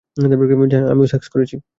আমিও সেক্স করেছি।